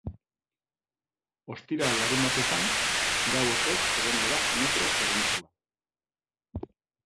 Ostiral-larunbatetan gau osoz egongo da metro zerbitzua.